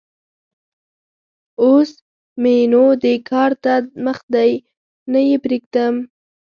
اوس م ېنو دې کار ته مخ دی؛ نه يې پرېږدم.